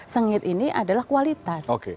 sengit ini adalah kualitas